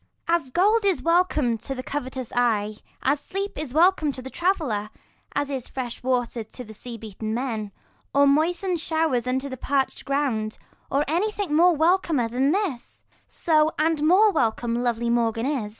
Ragan. As gold is welcome to the covetous eye, As sleep is welcome to the traveller, As is fresh water to sea beaten men, Or moist'ned showers unto the parched ground, 75 Or anything more welcomer than this, So and more welcome lovely Morgan is.